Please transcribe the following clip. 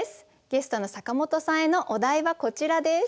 ゲストの坂本さんへのお題はこちらです。